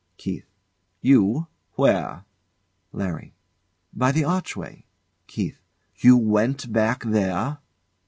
KEITH. You? Where? LARRY. By the archway. KEITH. You went back there?